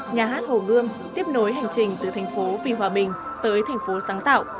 nhà hát hồ gươm tiếp nối hành trình từ thành phố vì hòa bình tới thành phố sáng tạo